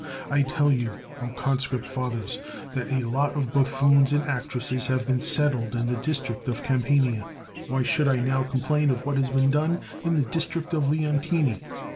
I tell you, O conscript fathers, that a lot of buffoons and actresses have been settled in the district of Campania. Why should I now complain of what has been done in the district of Leontini?